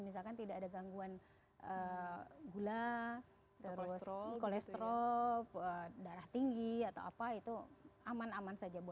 misalkan tidak ada gangguan gula terus kolesterol darah tinggi atau apa itu aman aman saja